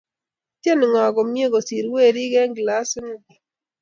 ityeni ng'o komye kosir werik Eng' kilasit ng'ung?